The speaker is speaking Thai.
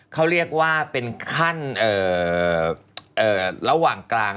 เขาเรียกว่าเป็นขั้นระหว่างกลาง